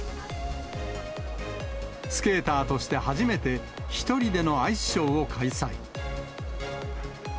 スケーターとして初めて、１人でのアイスショーを開催。